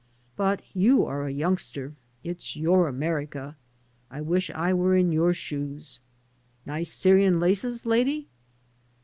But you are a youngster. It's yoiu* America. I wish I were in your shoes. — ^Nice Syrian laces, lady?"